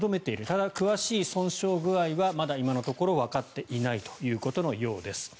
ただ詳しい損傷具合はまだ今のところわかっていないということです。